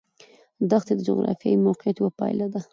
دښتې د جغرافیایي موقیعت یوه پایله ده.